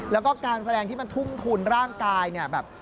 แล้วก็การแสดงที่มันทุ่มทุนร่างกายเนี่ยแบบ